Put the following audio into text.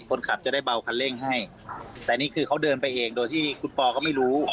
คนขับจะได้เบาคันเร่งให้แต่นี่คือเขาเดินไปเองโดยที่คุณปอก็ไม่รู้